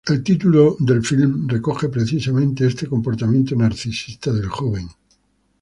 El título del film recoge precisamente este comportamiento narcisista del joven.